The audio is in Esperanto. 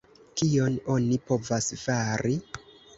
Kion oni povas fari?